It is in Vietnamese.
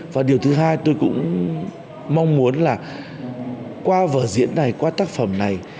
và điều thứ hai tôi cũng mong muốn là qua vở diễn này qua tác phẩm này